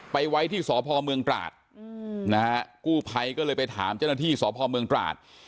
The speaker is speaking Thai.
ไปไว้ที่สพเมืองตราดนะฮะกู้ภัยก็เลยไปถามเจ้าหน้าที่สพเมืองตราด